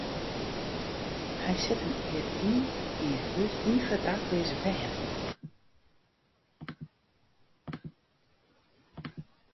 Hy set him jier yn jier út yn foar dakleaze bern.